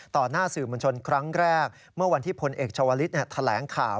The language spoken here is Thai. หน้าสื่อมวลชนครั้งแรกเมื่อวันที่พลเอกชาวลิศแถลงข่าว